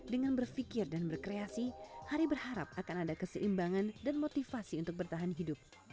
dengan berpikir dan berkreasi hari berharap akan ada keseimbangan dan motivasi untuk bertahan hidup